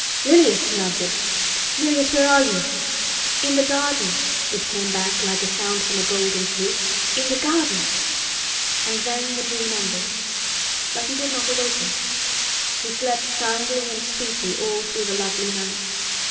Lilias!" he answered. "Lilias! where are you?" "In the garden," it came back like a sound from a golden flute. "In the garden!" And then the dream ended. But he did not awaken. He slept soundly and sweetly all through the lovely night.